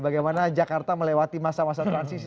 bagaimana jakarta melewati masa masa transisi